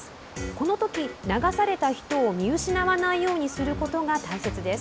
このとき、流された人を見失わないようにすることが大切です。